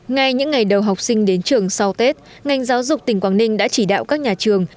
ngay những ngày đầu học sinh đến trường sau tết ngành giáo dục tỉnh quảng ninh đã chỉ đạo các nhà trường